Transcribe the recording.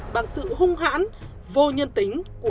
bằng sự hung hãn vô nhân tính của sát nhân đào danh việt